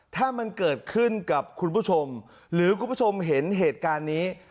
ถ้ามันเกิดขึ้นกับคุณผู้ชมหรือคุณผู้ชมเห็นเหตุการณ์นี้